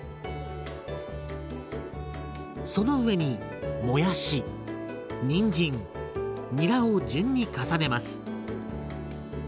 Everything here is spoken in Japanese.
その上にもやしにんじんにらを順に重ねます。